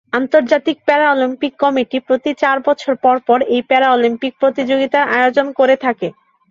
আন্তর্জাতিক Paralympic committee প্রতি চার বছর পর পর এই প্যারালিম্পিক প্রতিযোগিতার আয়োজন করে থাকে।